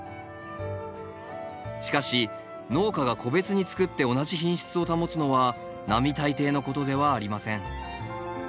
しかし農家が個別につくって同じ品質を保つのは並大抵のことではありません。